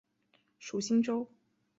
属新州。